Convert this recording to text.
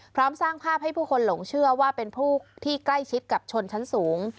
สร้างภาพให้ผู้คนหลงเชื่อว่าเป็นผู้ที่ใกล้ชิดกับชนชั้นสูง